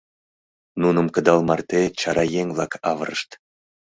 Нуным кыдал марте чара еҥ-влак авырышт.